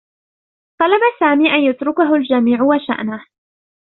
طلب سامي أن يتركه الجميع و شأنه.